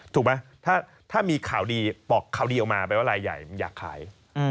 ถูกไหมถ้ามีข่าวดีบอกข่าวดีออกมาแปลว่ารายใหญ่อยากขาย